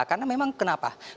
karena memang kenapa